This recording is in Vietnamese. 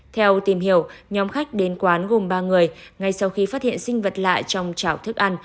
theo tìm hiểu nhóm khách đến quán gồm ba người ngay sau khi phát hiện sinh vật lạ trong chảo thức ăn